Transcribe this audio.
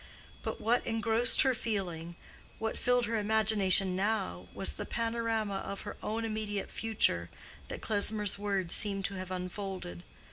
But what engrossed her feeling, what filled her imagination now, was the panorama of her own immediate future that Klesmer's words seemed to have unfolded.